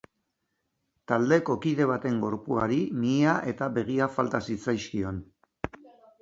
Taldeko kide baten gorpuari mihia eta begiak falta zitzaizkion.